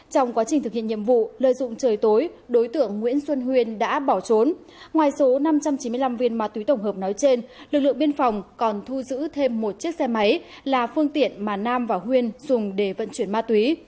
trong quá trình thực hiện nhiệm vụ lợi dụng trời tối đối tượng nguyễn xuân huyên đã bỏ trốn ngoài số năm trăm chín mươi năm viên ma túy tổng hợp nói trên lực lượng biên phòng còn thu giữ thêm một chiếc xe máy là phương tiện mà nam và huyên dùng để vận chuyển ma túy